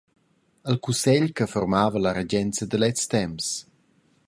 Il cussegl che formava la regenza da lezs temps.